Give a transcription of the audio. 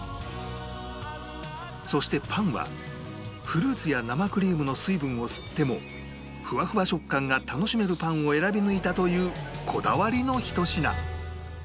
そしてパンはフルーツや生クリームの水分を吸ってもフワフワ食感が楽しめるパンを選び抜いたというこだわりのひと品